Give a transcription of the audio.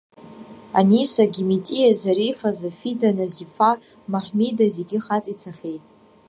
Аниса, Гиметиа, Зарифа, зафида, Назифа, Маҳмида, зегьы хаҵа ицахьеит.